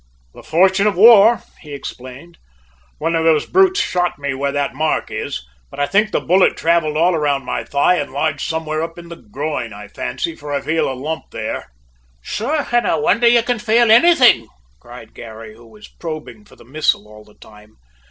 "The fortune of war," he explained. "One of those brutes shot me where that mark is, but I think the bullet travelled all round my thigh and lodged somewhere in the groin, I fancy, for I feel a lump there." "Sure, I wonder you can fale anythin'!" cried Garry, who was probing for the missile all the time.